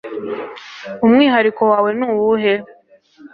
umwihariko wawe ni uwuhe